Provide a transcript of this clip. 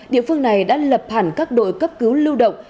địa phương này đã lập hẳn các đội cấp cứu lưu động